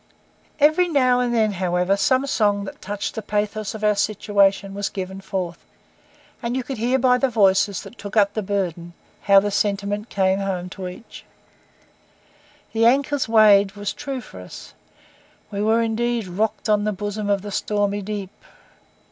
Every now and again, however, some song that touched the pathos of our situation was given forth; and you could hear by the voices that took up the burden how the sentiment came home to each, 'The Anchor's Weighed' was true for us. We were indeed 'Rocked on the bosom of the stormy deep.